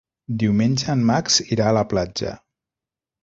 Diumenge en Max irà a la platja.